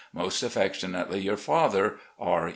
"Most affectionately, your father, "R.